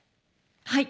はい。